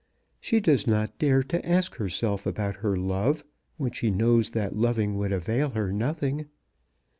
She does not dare to ask herself about her love, when she knows that loving would avail her nothing.